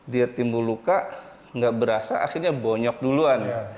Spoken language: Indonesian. dia timbul luka nggak berasa akhirnya bonyok duluan